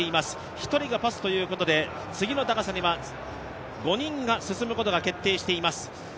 １人がパスということで次の高さには５人が進むことが決定しています。